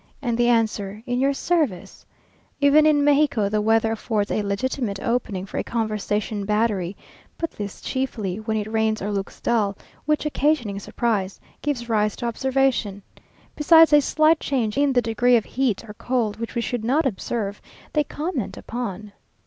And the answer, "In your service." Even in Mexico the weather affords a legitimate opening for a conversation battery, but this chiefly when it rains or looks dull, which, occasioning surprise, gives rise to observation. Besides a slight change in the degree of heat or cold which we should not observe, they comment upon.